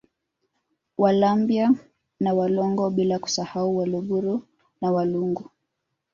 Walambya na Walongo bila kusahau Waluguru na Walungu